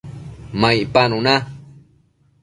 ma icpanu na